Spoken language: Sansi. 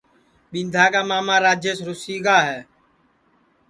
ٻیندھا کا ماما راجیش رُوسی گا ہے